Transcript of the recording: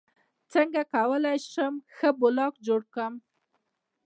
څنګه کولی شم ښه بلاګ جوړ کړم